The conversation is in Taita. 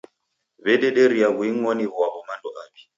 W'adederie w'uing'oni ghwaw'o mando aw'i.